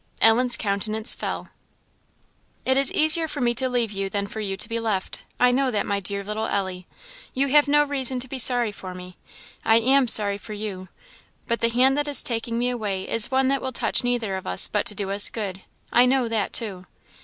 Ellen's countenance fell fell. "It is easier for me to leave you than for you to be left I know that, my dear little Ellie! You have no reason to be sorry for me I am sorry for you; but the hand that is taking me away is one that will touch neither of us but to do us good; I know that, too.